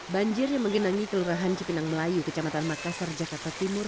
banjir yang menggenangi kelurahan cipinang melayu kecamatan makassar jakarta timur